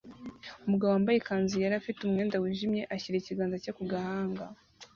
Umugabo wambaye ikanzu yera afite umwenda wijimye ashyira ikiganza cye ku gahanga